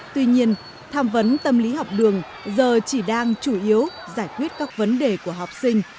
tuy nhiên tham vấn tâm lý học đường giờ chỉ đang chủ yếu giải quyết các vấn đề của học sinh